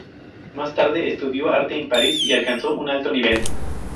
Más tarde estudió arte en París y alcanzó un alto nivel.